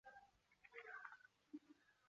国名也改为匈牙利人民共和国。